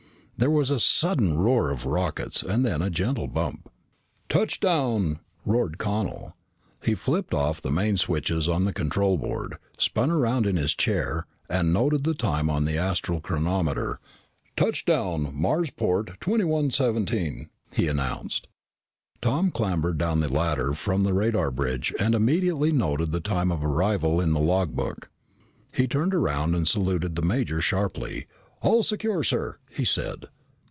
There was a sudden roar of rockets and then a gentle bump. "Touchdown!" roared Connel. He flipped off the main switches on the control board, spun around in his chair, and noted the time on the astral chronometer. "Touchdown Marsport, 2117!" he announced. Tom clambered down the ladder from the radar bridge and immediately noted the time of arrival in the logbook. He turned around and saluted the major sharply. "All secure, sir," he said.